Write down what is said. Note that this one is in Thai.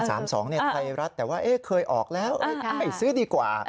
ไทรรัฐแต่ว่าเฮ้ะเคยออกแล้วขายซื้อดีกว่า